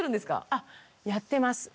あっやってます。